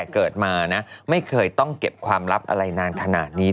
เกิดมานะไม่เคยต้องเก็บความลับอะไรนานขนาดนี้